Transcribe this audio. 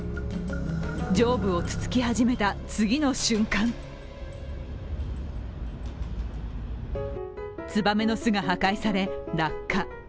上部を突つき始めた次の瞬間つばめの巣が破壊され、落下。